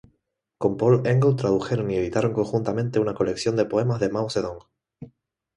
Con Paul Engle tradujeron y editaron conjuntamente una colección de poemas de Mao Zedong.